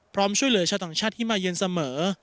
ช่วยเหลือชาวต่างชาติที่มาเย็นเสมอ